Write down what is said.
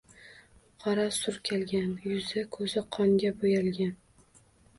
Qora surkalgan yuz-ko‘zi qonga bo‘yalgan.